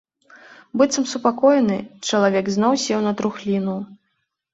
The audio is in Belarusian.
Быццам супакоены, чалавек зноў сеў на трухліну.